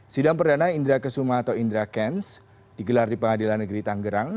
sidang perdana indra kesuma atau indra kents digelar di pengadilan negeri tanggerang